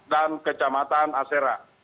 dan kejamatan asera